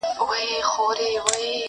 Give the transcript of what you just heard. اوس یې خلګ پر دې نه دي چي حرام دي.